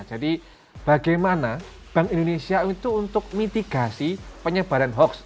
jadi bagaimana bank indonesia itu untuk mitigasi penyebaran hoaks